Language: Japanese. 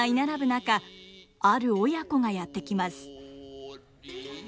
中ある親子がやって来ます。